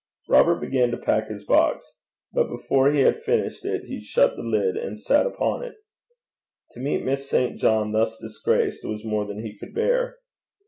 Robert began to pack his box. But before he had finished it he shut the lid and sat upon it. To meet Miss St. John thus disgraced, was more than he could bear.